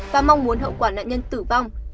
và mong muốn hậu quả nạn nhân tử vong